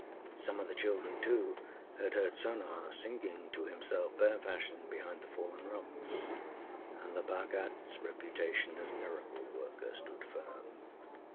Some of the children, too, had heard Sona singing to himself, bear fashion, behind the fallen rocks, and the Bhagatâs reputation as miracle worker stood firm.